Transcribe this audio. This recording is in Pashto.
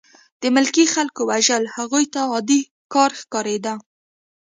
د ملکي خلکو وژل هغوی ته عادي کار ښکارېده